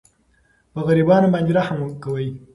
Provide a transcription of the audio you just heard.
په غریبانو باندې رحم کوئ.